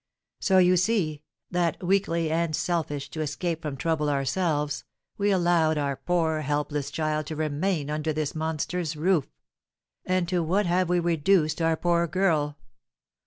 So you see, that weakly, and selfish to escape from trouble ourselves, we allowed our poor, helpless child to remain under this monster's roof. And to what have we reduced our poor girl?